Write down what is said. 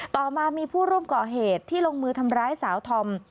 ต่อมามีผู้ร่วมก่อเหตุที่ลงมือทำร้ายสาวธอม